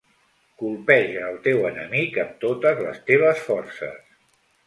Colpeja el teu enemic amb totes les teves forces.